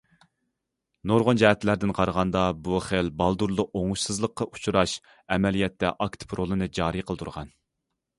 نۇرغۇن جەھەتلەردىن قارىغاندا، بۇ خىل بالدۇرلا ئوڭۇشسىزلىققا ئۇچراش ئەمەلىيەتتە ئاكتىپ رولىنى جارى قىلدۇرغان.